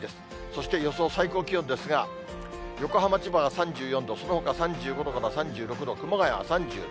そして予想最高気温ですが、横浜、千葉が３４度、そのほかは３５度から３６度、熊谷３７度。